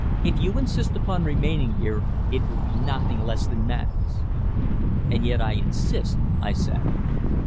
If you insist upon remaining here it will be nothing less than madness." "And yet I insist," I said.